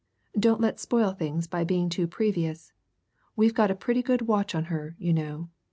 Don't let's spoil things by being too previous. We've got a pretty good watch on her, you know.